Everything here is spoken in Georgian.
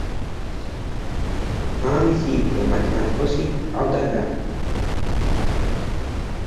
მამამისი იყო მათემატიკოსი, ჰყავდა და.